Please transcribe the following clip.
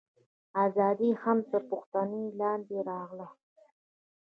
ازادي یې هم تر پوښتنې لاندې راغله.